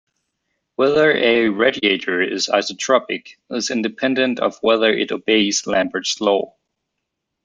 Whether a radiator is isotropic is independent of whether it obeys Lambert's law.